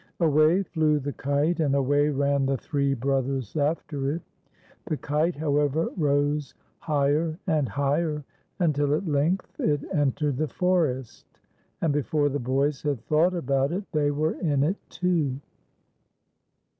Away flew the kite, and away ran the three brothers after it. The kite, however, rose higher and higher, until at length it entered the forest ; and before the bo\ s had thought about it, they were in it too.